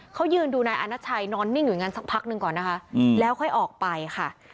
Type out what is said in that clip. เขายืนดูนายอาณาชัยนอนนิ่งอยู่อย่างนั้นสักพักหนึ่งก่อนนะคะแล้วค่อยออกไปค่ะ